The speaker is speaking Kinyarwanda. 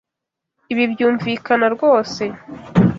Ibi byumvikana rwose.